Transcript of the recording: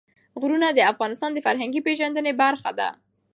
غرونه د افغانانو د فرهنګي پیژندنې برخه ده.